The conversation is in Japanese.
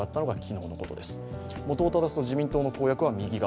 もともと、自民党の公約は右側。